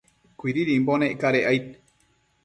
Cuididimbo nec cadec aid